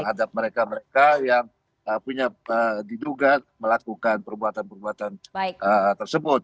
terhadap mereka mereka yang punya diduga melakukan perbuatan perbuatan tersebut